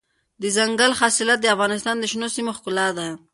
دځنګل حاصلات د افغانستان د شنو سیمو ښکلا ده.